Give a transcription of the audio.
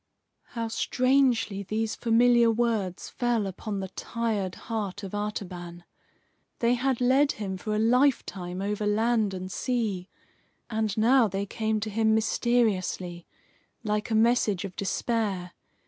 '" How strangely these familiar words fell upon the tired heart of Artaban! They had led him for a lifetime over land and sea. And now they came to him mysteriously, like a message of despair.